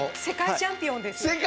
世界チャンピオンです。